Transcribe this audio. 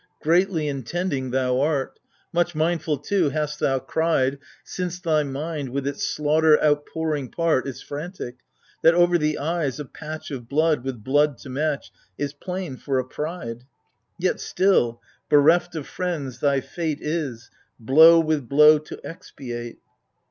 ^ Greatly intending thou art : Much mindful, too, hast thou cried • (Since thy mind, with its slaughter outpouring part, Is frantic) that over the eyes, a patch Of blood — with blood to match — Is plain for a pride ! Yet still, bereft of friends, thy fate Is — blow with blow to expiate